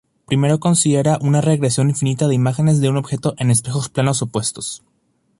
Primero considera una regresión infinita de imágenes de un objeto en espejos planos opuestos.